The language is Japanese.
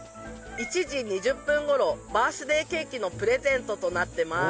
１時２０分頃バースデーケーキのプレゼントとなってます